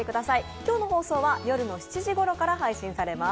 今日の放送は夜７時頃から配信されます。